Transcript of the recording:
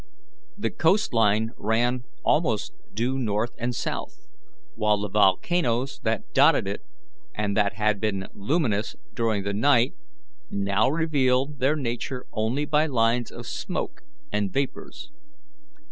The coast line ran almost due north and south, while the volcanoes that dotted it, and that had been luminous during the night, now revealed their nature only by lines of smoke and vapours.